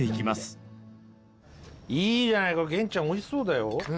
いいじゃない源ちゃんおいしそうだよ。